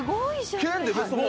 県でベスト４？